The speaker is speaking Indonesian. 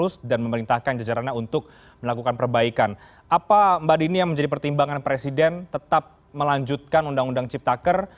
selamat malam mbak dini apa kabar